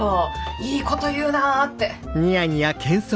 いいこと言うなって。